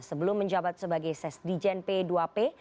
sebelum menjabat sebagai sesdijen p dua p